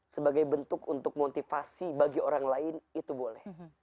sebagai bentuk untuk motivasi bagi orang lain itu boleh